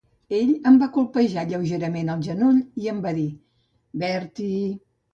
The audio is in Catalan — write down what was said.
Ell em va colpejar lleugerament el genoll i em va dir: "Bertie".